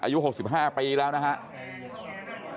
อายุ๖๕ปีแล้วนะครับ